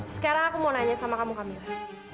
sekarang aku mau nanya sama kamu hamil